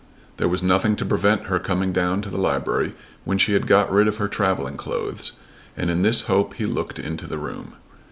There was nothing to prevent her coming down to the library when she had got rid of her travelling clothes, and in this hope he looked into the room.